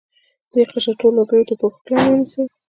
د دې قشر ټول وګړي تر پوښښ لاندې ونیسي.